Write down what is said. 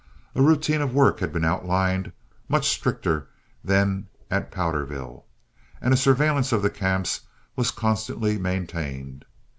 A routine of work had been outlined, much stricter than at Powderville, and a surveillance of the camps was constantly maintained.